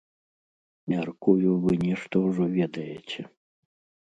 Мяркую, вы нешта ўжо ведаеце.